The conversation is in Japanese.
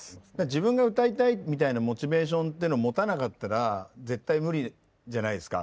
自分が歌いたいみたいなモチベーションっていうのを持たなかったら絶対無理じゃないですか。